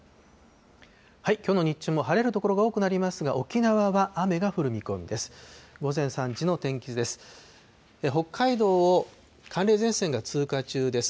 きょうの日中も晴れる所が多くなりますが、沖縄は雨が降る見込みです。